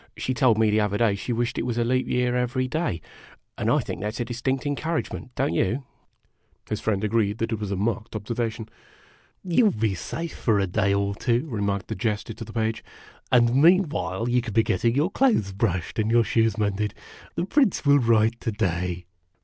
She told me the other day that she wished it was leap year every day ; and I think that 's a distinct encouragement, don't you ?" His friend agreed that it was a marked observation. o " You '11 be safe for a day or two," remarked the Jester to the Page ;" and meanwhile you can be getting your clothes brushed and your shoes mended. The Prince will write to day."